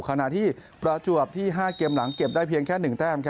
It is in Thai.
ขณะที่ประจวบที่๕เกมหลังเก็บได้เพียงแค่๑แต้ม